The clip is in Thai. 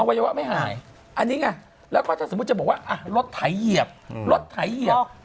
วัยวะไม่หายอันนี้ไงแล้วก็ถ้าสมมุติจะบอกว่ารถไถเหยียบรถไถเหยียบ